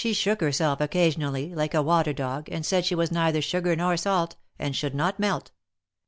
She shook herself occasionally, like a water dog, and said she was neither sugar nor salt, and should not melt.